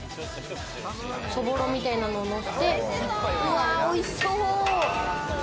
そぼろみたいなのをのせて、おいしそう。